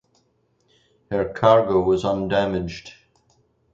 Her cargo was undamaged.